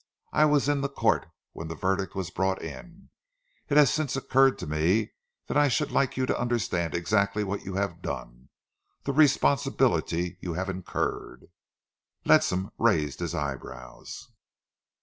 "I was in the Court when the verdict was brought in. It has since occurred to me that I should like you to understand exactly what you have done, the responsibility you have incurred." Ledsam raised his eyebrows.